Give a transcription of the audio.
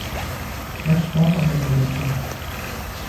Er starb am Ende der Schlacht.